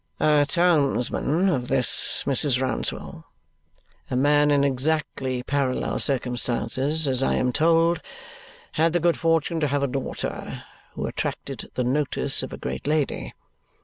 "A townsman of this Mrs. Rouncewell, a man in exactly parallel circumstances as I am told, had the good fortune to have a daughter who attracted the notice of a great lady.